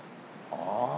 ああ。